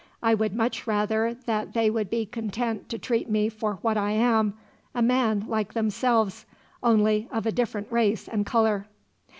I would much rather that they would be content to treat me for what I am a man like themselves, only of a different race and color."